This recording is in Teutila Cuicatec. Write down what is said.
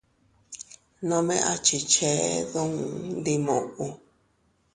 Nome a chichee duun ndi muʼu.